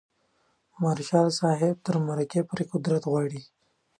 مارشال صاحب تر مرګه پورې قدرت غواړي.